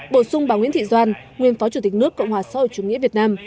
bổ sung bà nguyễn thị doan nguyên phó chủ tịch nước cộng hòa xã hội chủ nghĩa việt nam